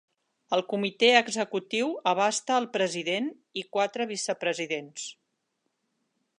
El comitè executiu abasta al president i quatre vicepresidents.